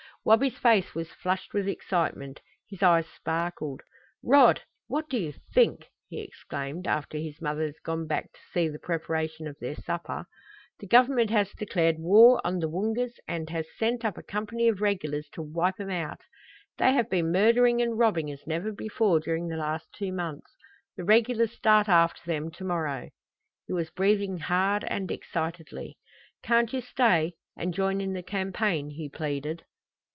Wabi's face was flushed with excitement. His eyes sparkled. "Rod, what do you think!" he exclaimed, after his mother had gone back to see to the preparation of their supper. "The government has declared war on the Woongas and has sent up a company of regulars to wipe 'em out! They have been murdering and robbing as never before during the last two months. The regulars start after them to morrow!" He was breathing hard and excitedly. "Can't you stay and join in the campaign?" he pleaded.